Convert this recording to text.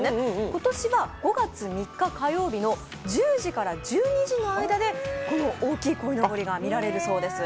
今年は５月３日火曜日の１０時から１２時の間でこの大きいこいのぼりが見られるそうです。